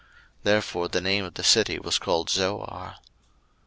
Therefore the name of the city was called Zoar.